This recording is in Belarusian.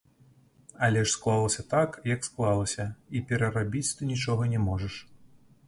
Але ж склалася так, як склалася, і перарабіць ты нічога не можаш.